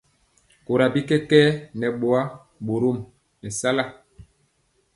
Kora bi kɛkɛɛ nɛ boa, borom mɛsala.